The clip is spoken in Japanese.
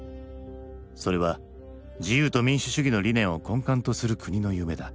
それは自由と民主主義の理念を根幹とする国の夢だ。